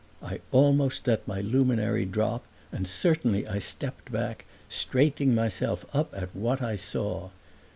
I almost let my luminary drop and certainly I stepped back, straightening myself up at what I saw.